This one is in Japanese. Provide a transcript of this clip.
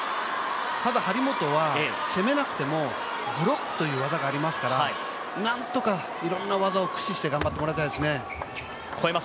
ただ張本は攻めなくてもブロックという技がありますから何とかいろんな技を駆使して頑張ってほしいですね。